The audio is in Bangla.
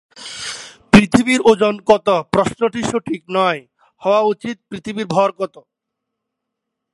যেসব সেনাবাহিনীর উচ্চ দাঁত-লেজ অনুপাত থাকে, সেগুলির হয়ত যুদ্ধে অংশগ্রহণকারী সেনার সংখ্যা বেশি থাকে, কিন্তু প্রতিটি সেনার কার্যকারিতা কম হবে।